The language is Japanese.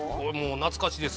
◆懐かしいです。